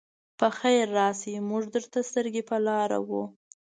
پخير راشئ! موږ درته سترګې په لار وو.